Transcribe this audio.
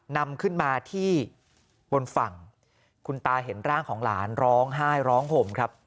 นำขึ้นมาที่บนฝั่งคุณตาเห็นร่างของหลานร้องไห้ร้องห่มครับ